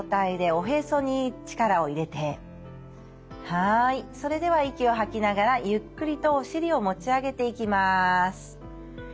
はいそれでは息を吐きながらゆっくりとお尻を持ち上げていきます。